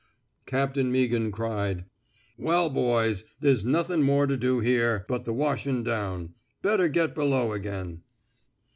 *' Captain Meaghan cried: Well, boys, there's nuthin' more to do here, but the washin ' down. Better get below again.